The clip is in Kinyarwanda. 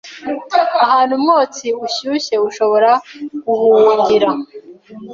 Ahantu umwotsi ushyushye ushobora guhungira